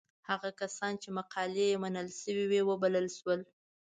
هغه کسان چې مقالې یې منل شوې وې وبلل شول.